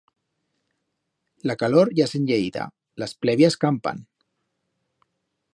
La calor ya se'n ye ida, las plevias campan.